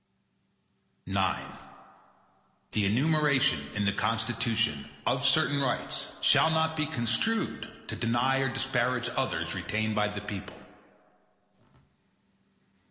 IX The enumeration in the Constitution, of certain rights, shall not be construed to deny or disparage others retained by the people.